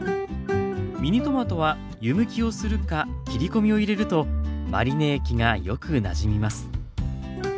ミニトマトは湯むきをするか切り込みを入れるとマリネ液がよくなじみます。